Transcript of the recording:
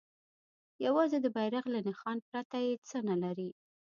یوازې د بیرغ له نښان پرته یې څه نه لري.